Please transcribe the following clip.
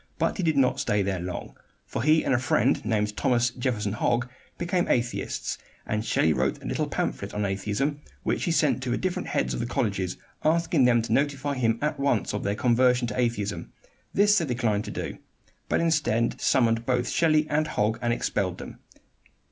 But he did not stay there long; for he and a friend, named Thomas Jefferson Hogg, became atheists, and Shelley wrote a little pamphlet on atheism, which he sent to the different heads of the colleges, asking them to notify him at once of their conversion to atheism. This they declined to do; but instead summoned both Shelley and Hogg and expelled them.